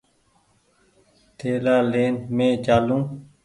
ٿيلآ لين مينٚ چآلون